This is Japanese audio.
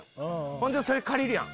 ほんでそれ借りるやん。